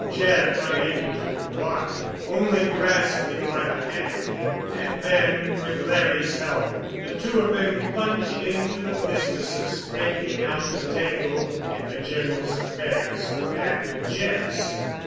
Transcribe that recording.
Jeff, unable to reply, only grasped him by the hand. And then, with Larry's help, the two of them plunged into the business of straightening out the tangle in the General's affairs and Jeff's.